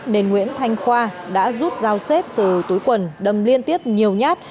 nên nguyễn thanh khoa đã giúp giao xếp từ túi quần đâm liên tiếp nhiều nhát